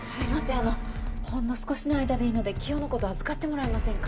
あのほんの少しの間でいいのでキヨのこと預かってもらえませんか？